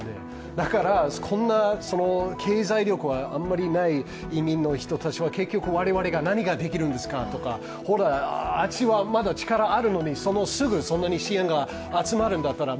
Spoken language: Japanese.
だから、こんな経済力はあんまりない移民の人たちは結局、我々は何ができるんですかとか、あっちはまだ力あるのにそんなにすぐに支援が集まるんだったら